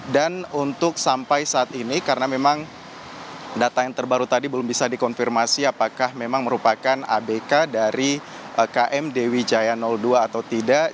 dan untuk sampai saat ini karena memang data yang terbaru tadi belum bisa dikonfirmasi apakah memang merupakan abk dari km dewi jaya dua atau tidak